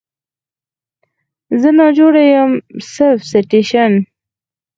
زه ناجوړه یم Self Citation